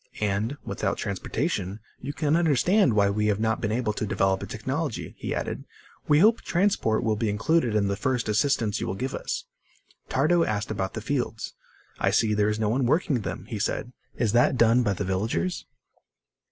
"And, without transportation, you can understand why we have not been able to develop a technology," he added. "We hope transport will be included in the first assistance you will give us." Tardo asked about the fields. "I see there is no one working them," he said. "Is that done by the villagers?"